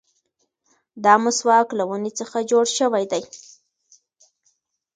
دا مسواک له ونې څخه جوړ شوی دی.